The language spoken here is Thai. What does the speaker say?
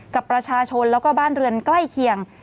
กับประชาชนแล้วก็บ้านเรือนใกล้เคียง